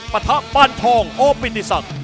ปะทะปานทองโอปินทิสัตว์